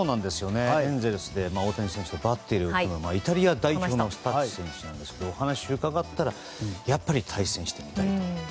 エンゼルスで大谷選手とバッテリーを組むイタリア代表のスタッシ選手ですけどお話を伺ったらやっぱり対戦してみたいと。